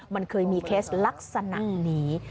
มันเคยมีเคสลักษณะนี้